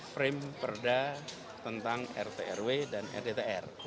frame perda tentang rtrw dan rttr